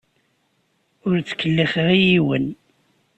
Ur ttkellixeɣ i yiwen.